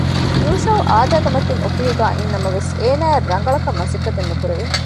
ޔޫޝައު އާދައިގެ މަތިން އޮފީހުގައި އިންނަމަވެސް އޭނާއަކަށް ރަނގަޅަކަށް މަސައްކަތެއް ނުކުރެވެ